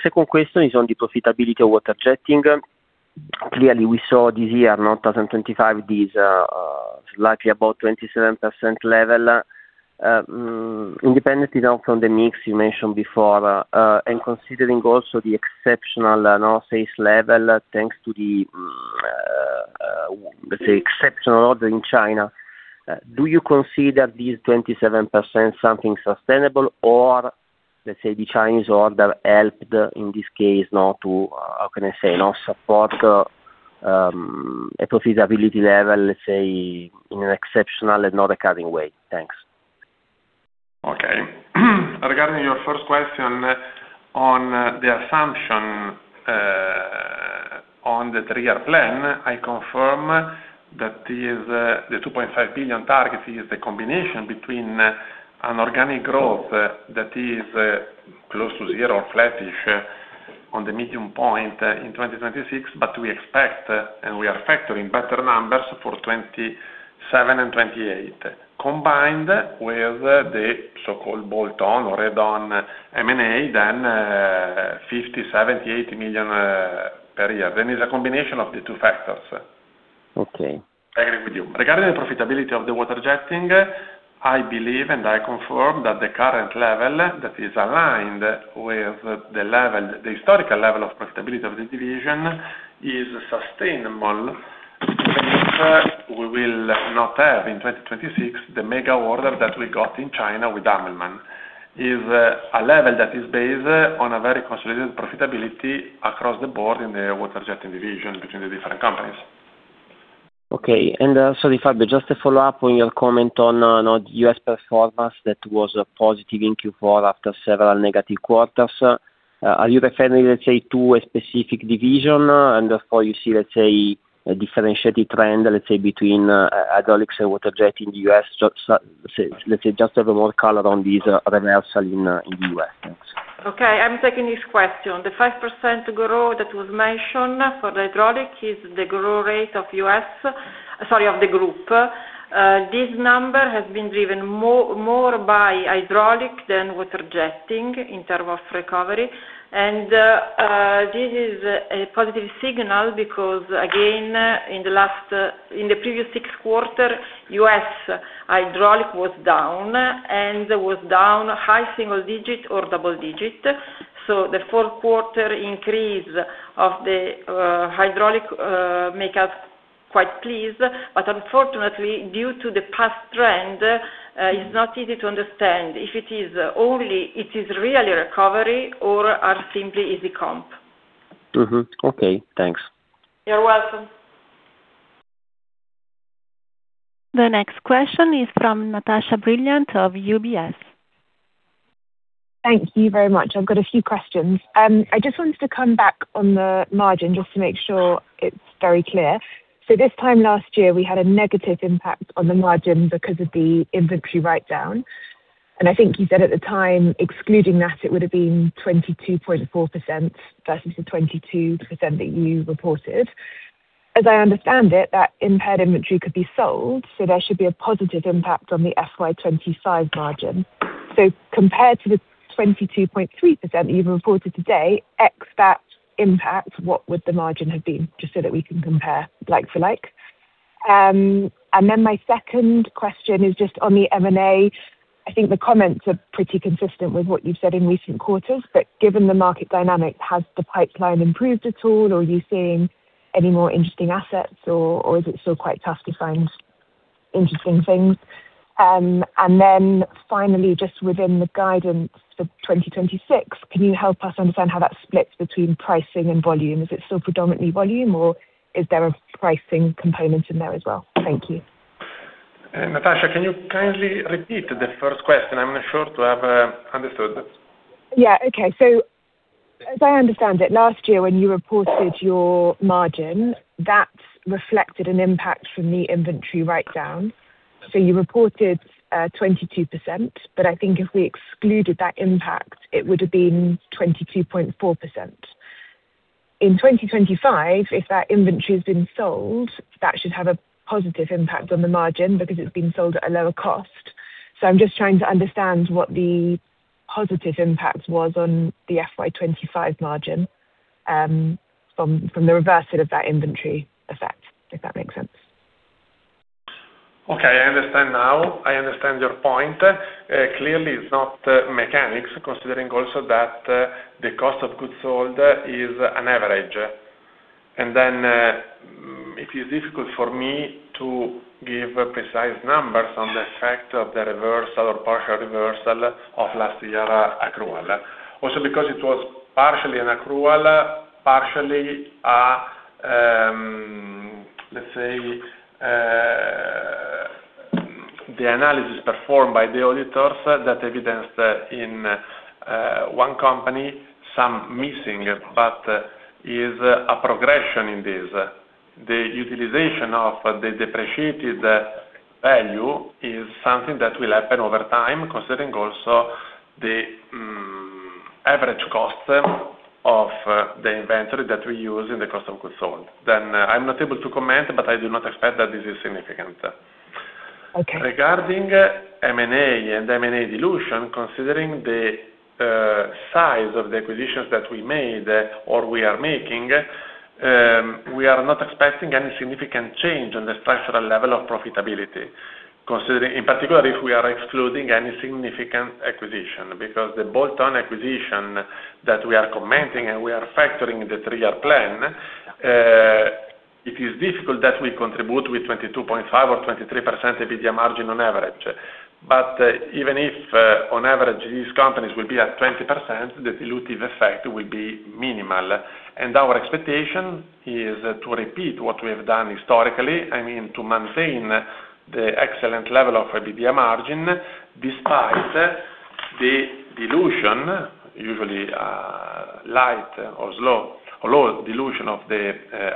second question is on the profitability of Water-Jetting. Clearly, we saw this year, 2025, these slightly about 27% level. Independently now from the mix you mentioned before, and considering also the exceptional net sales level, thanks to the let's say, exceptional order in China, do you consider these 27% something sustainable, or let's say the Chinese order helped, in this case, not to how can I say, not support a profitability level, let's say, in an exceptional and not occurring way? Thanks. Okay. Regarding your first question on the assumption on the three-year plan, I confirm that is the 2.5 billion target is a combination between an organic growth that is close to zero or flattish on the midpoint in 2026, but we expect, and we are factoring better numbers for 2027 and 2028, combined with the so-called bolt-on or add-on M&A, then 50 million, 70 million, 80 million per year. Then is a combination of the two factors. Okay. I agree with you. Regarding the profitability of the Water-Jetting, I believe, and I confirm that the current level that is aligned with the level, the historical level of profitability of the division is sustainable. We will not have in 2026, the mega order that we got in China with Ammann, is a level that is based on a very consolidated profitability across the board in the Water-Jetting division between the different companies. Okay. And, sorry, Fabio, just to follow up on your comment on, on U.S. performance, that was positive in Q4 after several negative quarters. Are you referring, let's say, to a specific division, and therefore you see, let's say, a differentiated trend, let's say, between, hydraulics and water jet in the U.S.? Just, say, let's say, just a little more color on these reversal in the U.S. Thanks. Okay, I'm taking this question. The 5% growth that was mentioned for the hydraulic is the growth rate of U.S., sorry, of the group. This number has been driven more, more by hydraulic than Water-Jetting in terms of recovery. And, this is a positive signal because, again, in the last, in the previous six quarters, U.S. hydraulic was down, and was down high single digit or double digit. So the fourth quarter increase of the, hydraulic, make us quite pleased. But unfortunately, due to the past trend, it's not easy to understand if it is only, it is really recovery or are simply easy comp. Okay, thanks. You're welcome. The next question is from Natasha Brilliant of UBS. Thank you very much. I've got a few questions. I just wanted to come back on the margin, just to make sure it's very clear. So this time last year, we had a negative impact on the margin because of the inventory write down. And I think you said at the time, excluding that, it would have been 22.4% versus the 22% that you reported. As I understand it, that impaired inventory could be sold, so there should be a positive impact on the FY 2025 margin. So compared to the 22.3% that you've reported today, ex that impact, what would the margin have been? Just so that we can compare like for like. And then my second question is just on the M&A. I think the comments are pretty consistent with what you've said in recent quarters, but given the market dynamic, has the pipeline improved at all, or are you seeing any more interesting assets, or, or is it still quite tough to find interesting things? And then finally, just within the guidance for 2026, can you help us understand how that splits between pricing and volume? Is it still predominantly volume, or is there a pricing component in there as well? Thank you. Natasha, can you kindly repeat the first question? I'm not sure to have understood. Yeah. Okay. So as I understand it, last year when you reported your margin, that reflected an impact from the inventory write down. So you reported 22%, but I think if we excluded that impact, it would have been 22.4%. In 2025, if that inventory has been sold, that should have a positive impact on the margin because it's been sold at a lower cost. So I'm just trying to understand what the positive impact was on the FY 2025 margin, from the reversal of that inventory effect, if that makes sense. Okay, I understand now. I understand your point. Clearly, it's not mechanics, considering also that the cost of goods sold is an average. And then, it is difficult for me to give precise numbers on the effect of the reversal or partial reversal of last year accrual. Also because it was partially an accrual, partially, let's say, the analysis performed by the auditors that evidenced that in one company, some missing, but is a progression in this. The utilization of the depreciated value is something that will happen over time, considering also average cost of the inventory that we use in the cost of goods sold. Then, I'm not able to comment, but I do not expect that this is significant. Okay. Regarding M&A and M&A dilution, considering the size of the acquisitions that we made or we are making, we are not expecting any significant change in the structural level of profitability, considering, in particular, if we are excluding any significant acquisition. Because the bolt-on acquisition that we are commenting and we are factoring in the three-year plan, it is difficult that we contribute with 22.5% or 23% EBITDA margin on average. But, even if, on average, these companies will be at 20%, the dilutive effect will be minimal. And our expectation is to repeat what we have done historically, I mean, to maintain the excellent level of EBITDA margin, despite the dilution, usually, light or slow or low dilution of the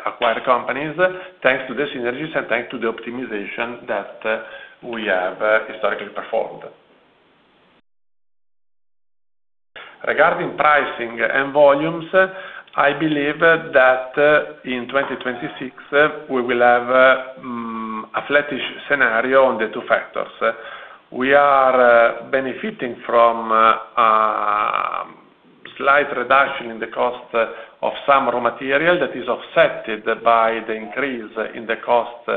acquired companies, thanks to the synergies and thanks to the optimization that we have historically performed. Regarding pricing and volumes, I believe that, in 2026, we will have, a flattish scenario on the two factors. We are, benefiting from, slight reduction in the cost of some raw material that is offset by the increase in the cost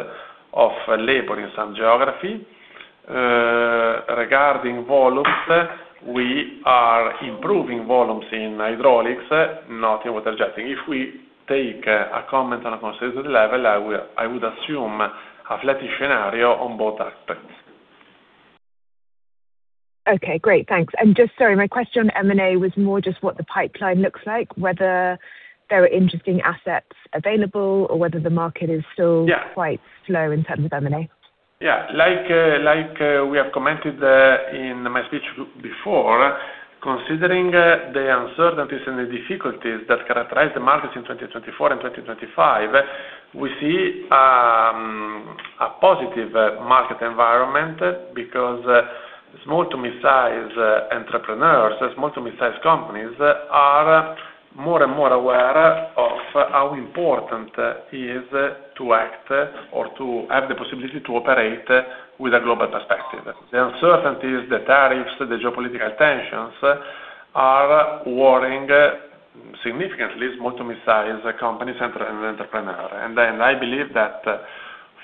of labor in some geography. Regarding volumes, we are improving volumes in hydraulics, not in Water-Jetting. If we take, a comment on a considered level, I would assume a flattish scenario on both aspects. Okay, great. Thanks. Just sorry, my question on M&A was more just what the pipeline looks like, whether there are interesting assets available or whether the market is still quite slow in terms of M&A. Yeah. Like, we have commented in my speech before, considering the uncertainties and the difficulties that characterize the markets in 2024 and 2025, we see a positive market environment because small to mid-size entrepreneurs, small to mid-size companies are more and more aware of how important it is to act or to have the possibility to operate with a global perspective. The uncertainties, the tariffs, the geopolitical tensions are worrying significantly small to mid-size companies and entrepreneurs. And then I believe that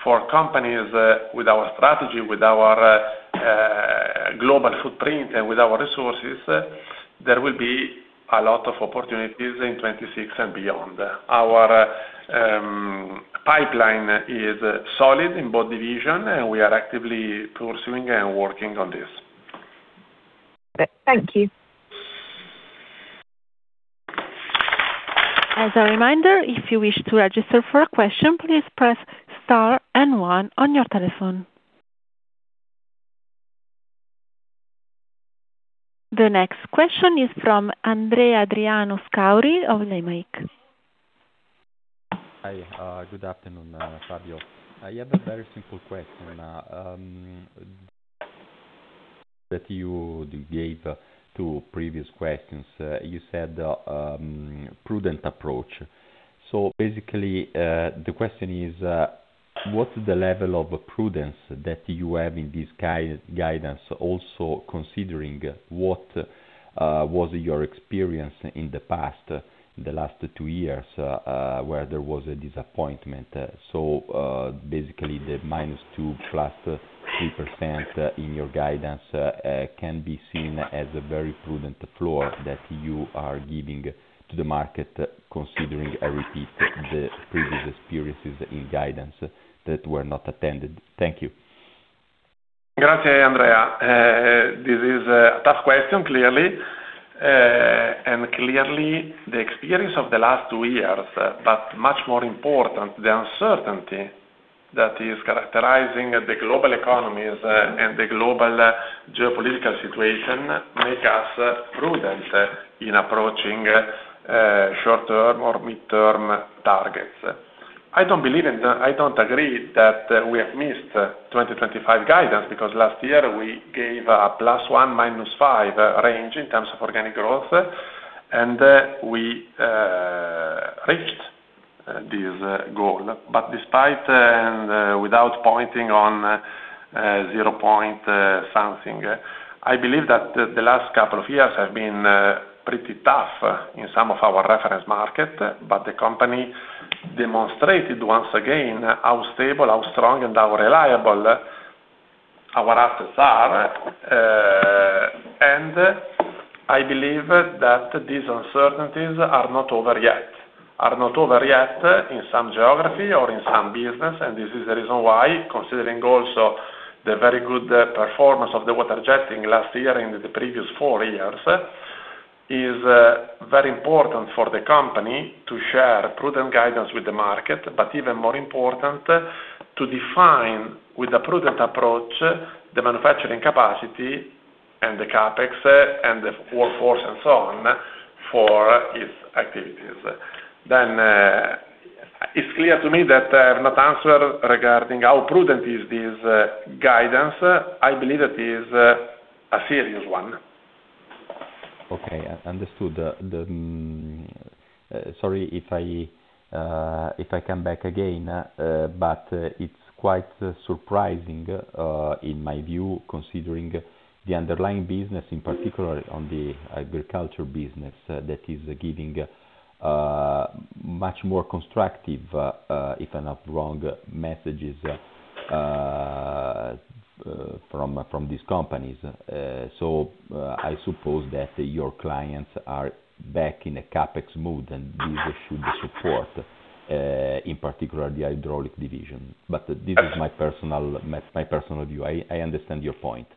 for companies with our strategy, with our global footprint, and with our resources, there will be a lot of opportunities in 2026 and beyond. Our pipeline is solid in both division, and we are actively pursuing and working on this. Thank you. As a reminder, if you wish to register for a question, please press star and one on your telephone. The next question is from Andrea Scauri of Lemanik. Hi, good afternoon, Fabio. I have a very simple question. That you gave to previous questions, you said, prudent approach. So basically, the question is, what's the level of prudence that you have in this guidance, also considering what was your experience in the past, the last two years, where there was a disappointment? Basically, the -2% to +3% in your guidance can be seen as a very prudent floor that you are giving to the market, considering, I repeat, the previous experiences in guidance that were not attended. Thank you. Got it, Andrea. This is a tough question, clearly, and clearly, the experience of the last two years, but much more important, the uncertainty that is characterizing the global economies, and the global geopolitical situation, make us prudent in approaching short-term or mid-term targets. I don't believe, and I don't agree that we have missed 2025 guidance, because last year we gave a +1% to -5% range in terms of organic growth, and we reached this goal. But despite, and without pointing on zero point something, I believe that the last couple of years have been pretty tough in some of our reference market, but the company demonstrated once again how stable, how strong, and how reliable our assets are. I believe that these uncertainties are not over yet. Are not over yet in some geography or in some business, and this is the reason why, considering also the very good performance of the Water-Jetting last year and the previous four years, is very important for the company to share prudent guidance with the market, but even more important, to define, with a prudent approach, the manufacturing capacity and the CapEx, and the workforce and so on, for its activities. Then, it's clear to me that I have not answered regarding how prudent is this guidance. I believe it is a serious one. Okay, understood. Sorry if I come back again, but it's quite surprising, in my view, considering the underlying business, in particular on the agriculture business, that is giving much more constructive, if I'm not wrong, messages from these companies. So, I suppose that your clients are back in a CapEx mood, and this should support, in particular, the Hydraulics division. But this is my personal view. I understand your point.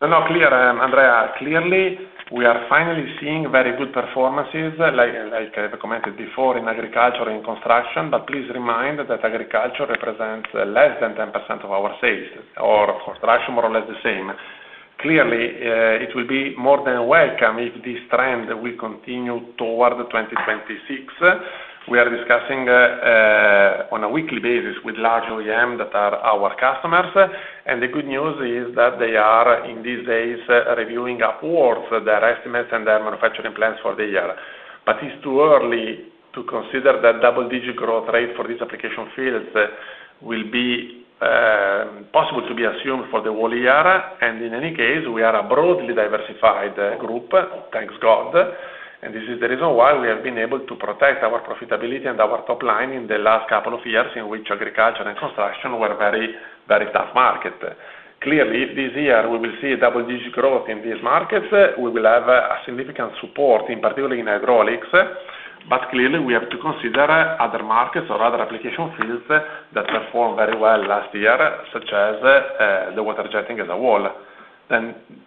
No, no, clear, Andrea. Clearly, we are finally seeing very good performances, like I commented before, in agriculture and construction, but please remind that agriculture represents less than 10% of our sales, or construction, more or less the same. Clearly, it will be more than welcome if this trend will continue toward 2026. We are discussing on a weekly basis with large OEM that are our customers, and the good news is that they are, in these days, reviewing upwards their estimates and their manufacturing plans for the year. But it's too early to consider that double-digit growth rate for these application fields will be possible to be assumed for the whole year. In any case, we are a broadly diversified group, thank God, and this is the reason why we have been able to protect our profitability and our top line in the last couple of years, in which agriculture and construction were very, very tough market. Clearly, if this year we will see a double-digit growth in these markets, we will have a significant support, in particular in hydraulics. But clearly, we have to consider other markets or other application fields that performed very well last year, such as the Water-Jetting as a whole.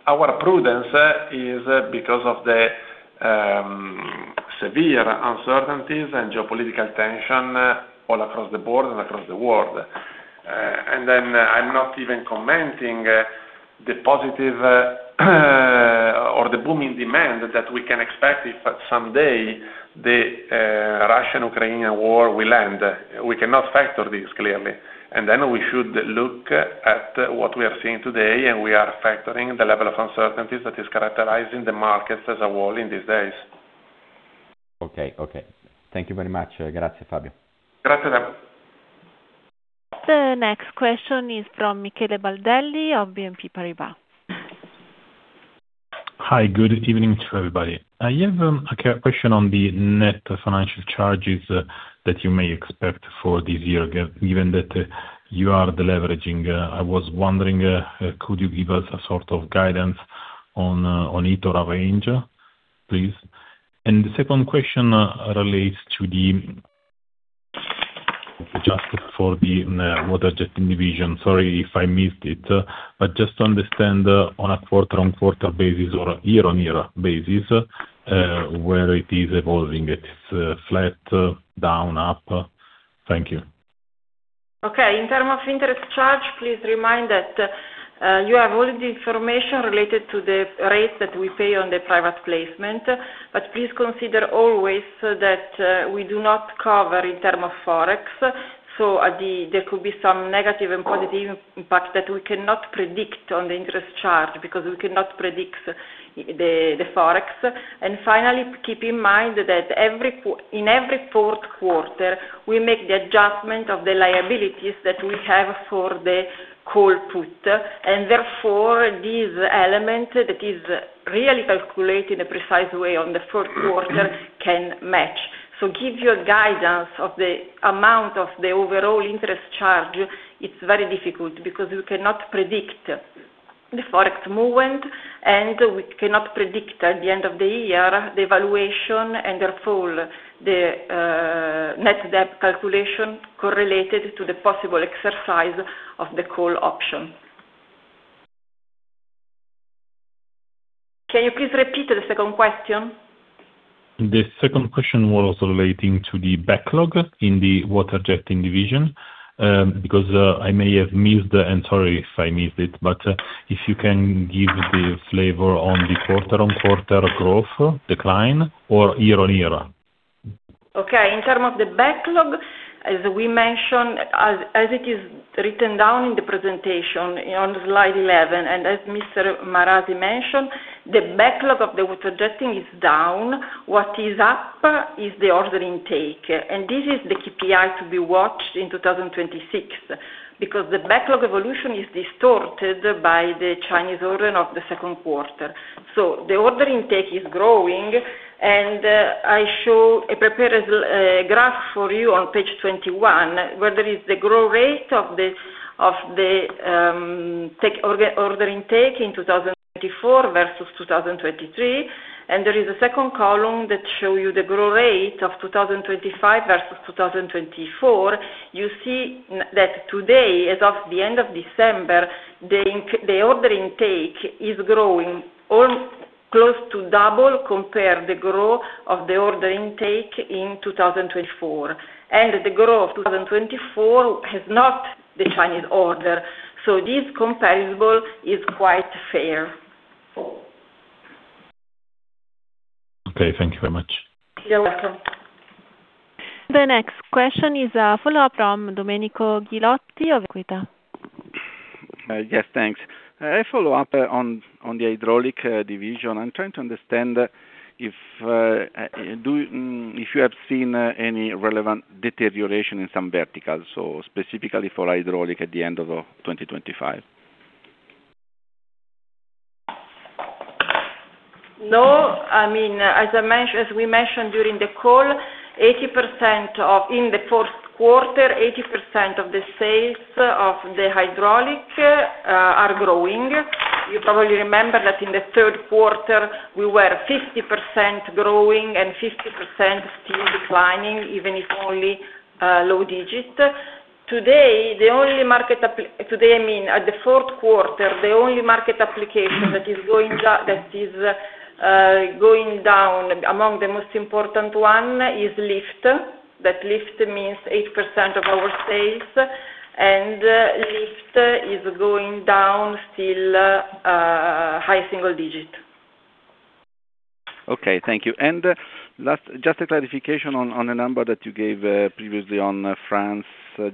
Our prudence is because of the severe uncertainties and geopolitical tension all across the board and across the world. Then I'm not even commenting the positive or the booming demand that we can expect if someday the Russian-Ukrainian war will end. We cannot factor this clearly. We should look at what we are seeing today, and we are factoring the level of uncertainties that is characterizing the markets as a whole in these days. Okay. Thank you very much. Grazie, Fabio. Grazie, Andrea. The next question is from Michele Baldelli of BNP Paribas. Hi, good evening to everybody. I have a question on the net financial charges that you may expect for this year, given that you are deleveraging. I was wondering, could you give us a sort of guidance on it or a range, please? The second question relates to the--just for the Water-Jetting division. Sorry if I missed it, but just to understand, on a quarter-on-quarter basis or a year-on-year basis, where it is evolving, it is flat, down, up? Thank you. Okay, in term of interest charge, please remind that you have all the information related to the rates that we pay on the private placement, but please consider always that we do not cover in term of Forex. So at the there could be some negative and positive impact that we cannot predict on the interest charge because we cannot predict the Forex. And finally, keep in mind that in every fourth quarter, we make the adjustment of the liabilities that we have for the call/put, and therefore, this element that is really calculated a precise way on the fourth quarter can match. So give you a guidance of the amount of the overall interest charge, it's very difficult because we cannot predict the Forex movement, and we cannot predict, at the end of the year, the evaluation and therefore, the net debt calculation correlated to the possible exercise of the call option. Can you please repeat the second question? The second question was relating to the backlog in the Water-Jetting division, because I may have missed, and sorry if I missed it, but if you can give the flavor on the quarter-on-quarter growth, decline, or year-on-year. Okay. In terms of the backlog, as we mentioned, as it is written down in the presentation on slide 11, and as Mr. Marasi mentioned, the backlog of the Water-Jetting is down. What is up is the order intake, and this is the KPI to be watched in 2026, because the backlog evolution is distorted by the Chinese order of the second quarter. So the order intake is growing, and I prepared a graph for you on page 21, where there is the growth rate of the order intake in 2024 versus 2023. And there is a second column that shows you the growth rate of 2025 versus 2024. You see that today, as of the end of December, the order intake is growing close to double compared to the growth of the order intake in 2024. The growth of 2024 has not the Chinese order, so this comparable is quite fair. Okay, thank you very much. You're welcome. The next question is a follow-up from Domenico Ghilotti of Equita. Yes, thanks. A follow-up on the Hydraulics division. I'm trying to understand if you have seen any relevant deterioration in some verticals, so specifically for hydraulic at the end of 2025? No, I mean, as I mention, as we mentioned during the call, 80% of—in the fourth quarter, 80% of the sales of the hydraulics are growing. You probably remember that in the third quarter, we were 50% growing and 50% still declining, even if only low digit. Today, the only market application that is going down, that is going down among the most important one is lift. That lift means 8% of our sales, and lift is going down still high single digit. Okay, thank you. Last, just a clarification on a number that you gave previously on France,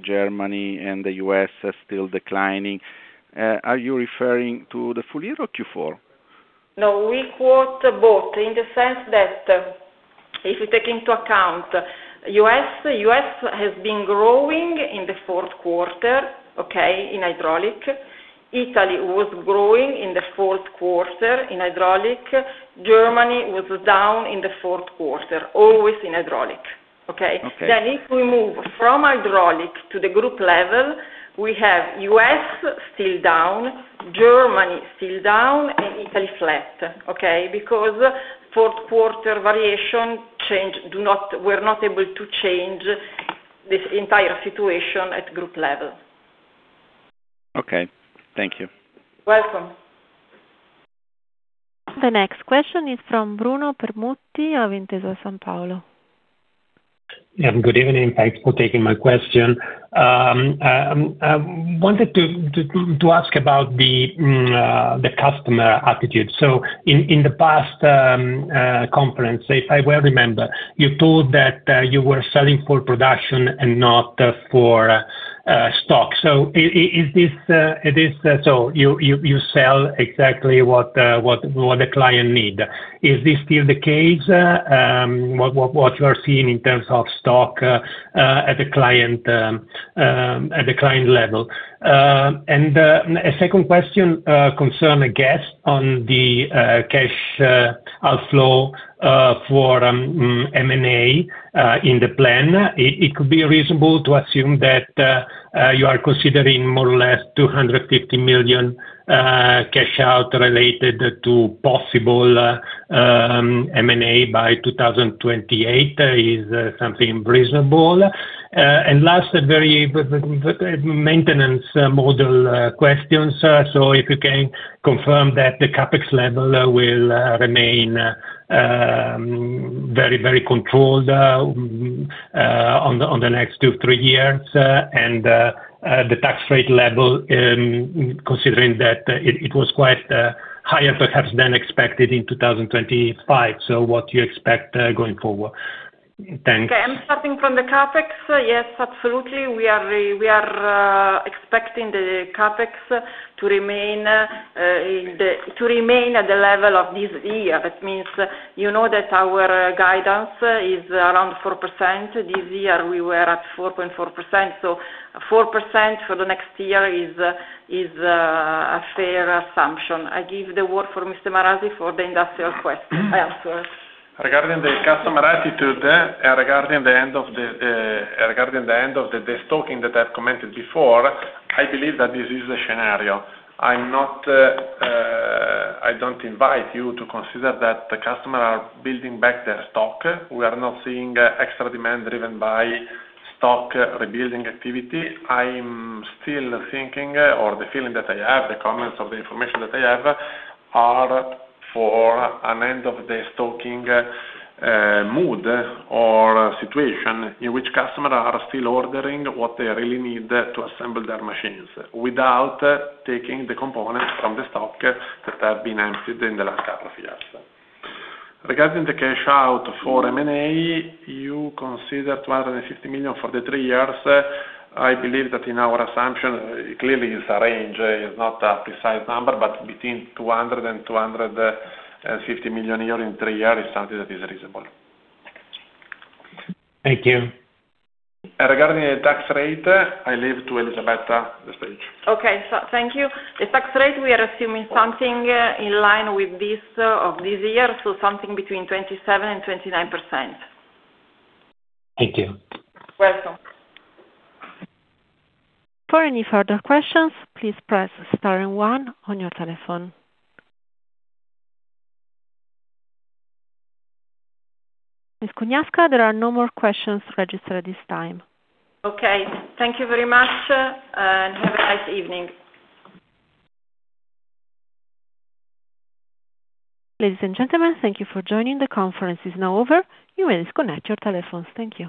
Germany, and the U.S. are still declining. Are you referring to the full year or Q4? No, we quote both in the sense that, if you take into account U.S., U.S. has been growing in the fourth quarter, okay, in hydraulic. Italy was growing in the fourth quarter, in hydraulic. Germany was down in the fourth quarter, always in hydraulic. Okay? Okay. Then, if we move from hydraulic to the group level, we have U.S. still down, Germany still down, and Italy flat, okay? Because fourth quarter variation change were not able to change this entire situation at group level. Okay, thank you. Welcome. The next question is from Bruno Permutti of Intesa Sanpaolo. Yeah, good evening. Thanks for taking my question. Wanted to ask about the customer attitude. So in the past conference, if I well remember, you told that you were selling for production and not for stock. So is this, it is, so you sell exactly what the client need. Is this still the case? What you are seeing in terms of stock at the client at the client level? And a second question, concern, I guess, on the cash outflow for M&A in the plan. It could be reasonable to assume that you are considering more or less 250 million cash out related to possible M&A by 2028. Is something reasonable? And last, a very maintenance model questions. So if you can confirm that the CapEx level will remain very, very controlled on the next two, three years, and the tax rate level, considering that it was quite higher, perhaps, than expected in 2025. So what do you expect going forward? Thanks. Okay, I'm starting from the CapEx. Yes, absolutely. We are, we are, expecting the CapEx to remain, in the-- to remain at the level of this year. That means, you know, that our guidance is around 4%. This year, we were at 4.4%, so 4% for the next year is a fair assumption. I give the word for Mr. Marasi for the industrial question, sorry. Regarding the customer attitude, regarding the end of the destocking that I've commented before, I believe that this is the scenario. I'm not, I don't invite you to consider that the customer are building back their stock. We are not seeing extra demand driven by stock rebuilding activity. I'm still thinking, or the feeling that I have, the comments or the information that I have, are for an end-of-the-stocking mood or situation, in which customer are still ordering what they really need to assemble their machines, without taking the components from the stock that have been emptied in the last couple of years. Regarding the cash out for M&A, you consider 250 million for the three years. I believe that in our assumption, clearly it's a range, it's not a precise number, but between 200 million euros and 250 million euros in three years is something that is reasonable. Thank you. Regarding the tax rate, I leave to Elisabetta the stage. Okay. So thank you. The tax rate, we are assuming something in line with this of this year, so something between 27% and 29%. Thank you. Welcome. For any further questions, please press star and one on your telephone. Ms. Cugnasca, there are no more questions registered at this time. Okay, thank you very much, and have a nice evening. Ladies and gentlemen, thank you for joining. The conference is now over. You may disconnect your telephones. Thank you.